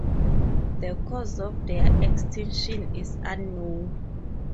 The cause of their extinction is unknown.